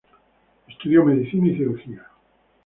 Estudió medicina y cirugía.